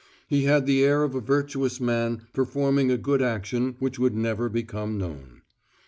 He had the air of a virtuous man performing a good action which would never become known.